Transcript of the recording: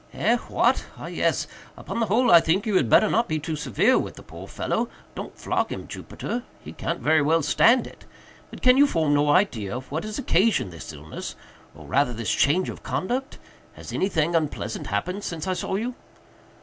"Eh?—what?—ah yes!—upon the whole I think you had better not be too severe with the poor fellow—don't flog him, Jupiter—he can't very well stand it—but can you form no idea of what has occasioned this illness, or rather this change of conduct? Has anything unpleasant happened since I saw you?"